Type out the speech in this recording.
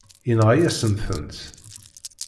Yenɣa-yasen-tent.